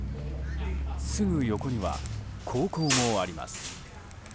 すぐ横には高校もあります。